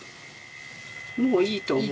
もういいと思う。